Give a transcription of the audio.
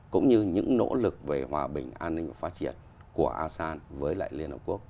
cũng như những nỗ lực về hòa bình an ninh và phát triển của asean với lại liên hợp quốc